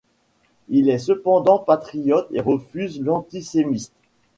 Il est cependant patriote et refuse l'antisémitisme.